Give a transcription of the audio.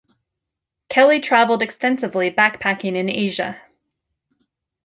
Kelly traveled extensively backpacking in Asia.